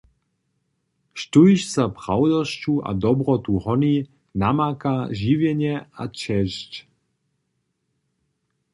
„Štóž za prawdosću a dobrotu honi, namaka žiwjenje a česć.“